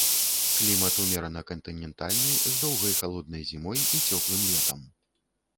Клімат умерана кантынентальны з доўгай халоднай зімой і цёплым летам.